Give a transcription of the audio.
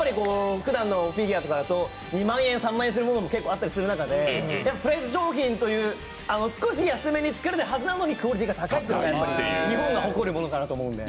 ふだんのフィギュアとかだと２万円、３万円するものもあったりする中でプライズ商品という少し安めに作られているにもかかわらずクオリティーが高いという日本が誇れるものかなと思うんで。